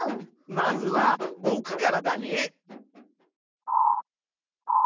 まずはぼくからだね。